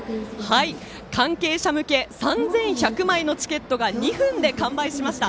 関係者向け３１００枚のチケットが２分で完売しました。